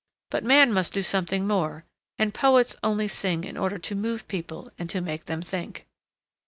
But man must do something more, and poets only sing in order to move people and to make them think.'